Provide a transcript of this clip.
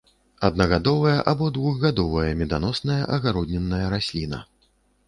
Аднагадовая або двухгадовая меданосная агароднінная расліна.